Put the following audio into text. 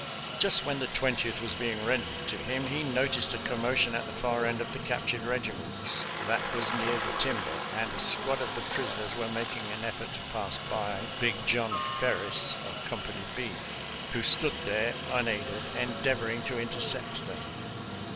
Just when the Twentieth was being rendered to him, he noticed a commo tion at the far end of the captured regiments. That was near the timber, and a squad of the prisoners were making an effort to pass by " Big John Ferris," of Company B, who stood there unaided endeavoring to intercept them.